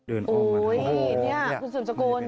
โอ้ยนี่คุณศูนย์จังกลุ่น